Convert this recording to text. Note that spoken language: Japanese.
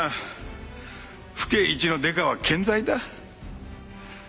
府警一のデカは健在だ。